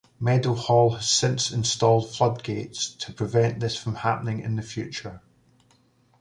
Meadowhall has since installed flood gates, to prevent this from happening in the future.